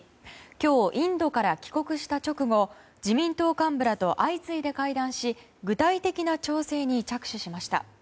今日、インドから帰国した直後自民党幹部らと相次いで会談し具体的な調整に着手しました。